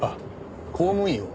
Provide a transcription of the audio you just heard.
公務員を。